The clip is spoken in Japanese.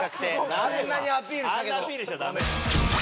あんなアピールしちゃダメ。